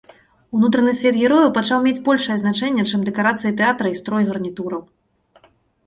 Унутраны свет герояў пачаў мець большае значэнне, чым дэкарацыі тэатра і строй гарнітураў.